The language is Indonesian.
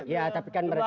ya tapi kan berarti